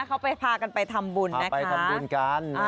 เขาไปพากันไปทำบุญนะคะ